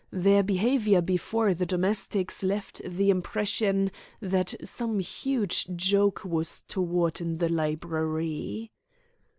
Their behaviour before the domestics left the impression that some huge joke was toward in the library.